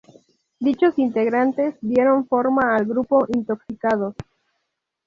Dichos integrantes dieron forma al grupo "Intoxicados".